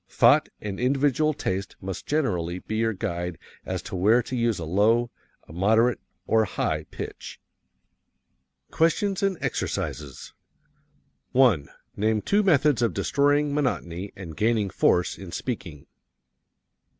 Thought and individual taste must generally be your guide as to where to use a low, a moderate, or a high pitch. QUESTIONS AND EXERCISES 1. Name two methods of destroying monotony and gaining force in speaking.